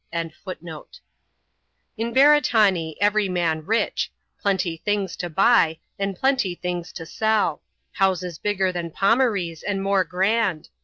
17$ kannakcu* In Beretanee, everj man rich: plenty things to buy ; and plenty things to sell. Houses bigger than Fomaree's^ and more grand.